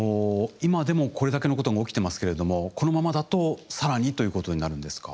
今でもこれだけのことが起きてますけれどもこのままだとさらにということになるんですか？